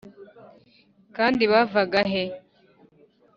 kandi bavaga he?»